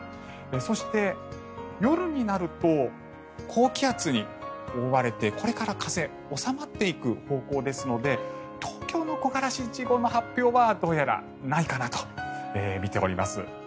そして、夜になると高気圧に覆われてこれから風収まっていく方向ですので東京の木枯らし一号の発表はどうやらないかなとみております。